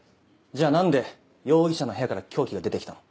じゃあ何で容疑者の部屋から凶器が出て来たの？